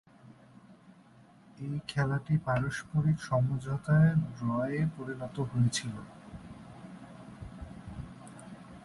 ঐ খেলাটি পারস্পরিক সমঝোতায় ড্রয়ে পরিণত হয়েছিল।